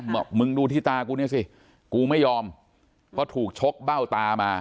บอกมึงดูที่ตากูเนี่ยสิกูไม่ยอมเพราะถูกชกเบ้าตามา